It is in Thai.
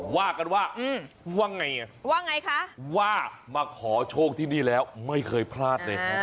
ว่ากันว่าว่าไงว่าไงคะว่ามาขอโชคที่นี่แล้วไม่เคยพลาดเลยครับ